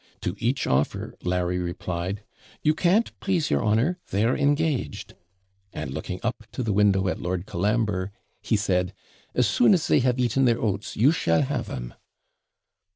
To each offer Larry replied, 'You can't, PLASE your honour, they're engaged;' and, looking up to the window at Lord Colambre, he said, 'as soon as they have eaten their oats, you shall have 'em.'